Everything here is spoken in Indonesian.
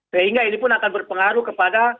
sehingga ini pun akan berpengaruh kepada